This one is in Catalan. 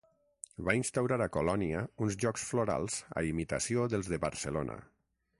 Va instaurar a Colònia uns Jocs Florals a imitació dels de Barcelona.